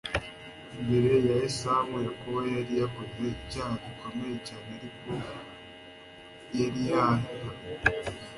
Imbere ya Esawu, Yakobo yari yakoze icyaha gikomeye cyane, ariko yarihannye.